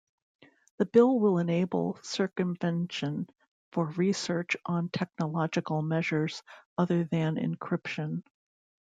The bill will enable circumvention for research on technological measures other than encryption.